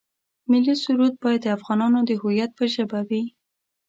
ملي سرود باید د افغانانو د هویت په ژبه وي.